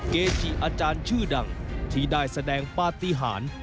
เกจิอาจารย์ชื่อดังที่ได้แสดงปฏิหาร